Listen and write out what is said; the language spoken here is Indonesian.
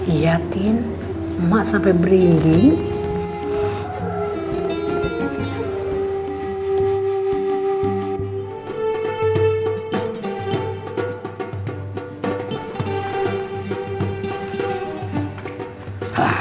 iya tin mak sampe berindih